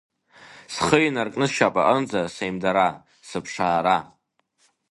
Схы инаркны сшьапаҟынӡа сеимдара, сыԥшаара…